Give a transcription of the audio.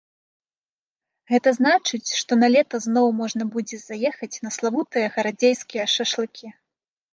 Гэта значыць, што налета зноў можна будзе заехаць на славутыя гарадзейскія шашлыкі.